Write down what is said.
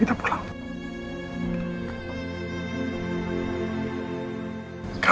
kita pulang aja